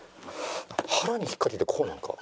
腹に引っかけてこうなのか？